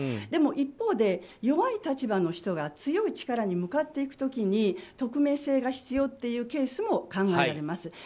でも一方で、弱い立場の人が強い力に向かっていく時に匿名性が必要というケースも考えられます。